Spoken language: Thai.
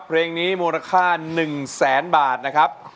เพลงนี้มูลค่า๑แสนบาทนะครับ